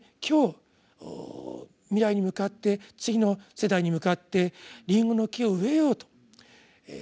今日未来に向かって次の世代に向かってリンゴの木を植えようと。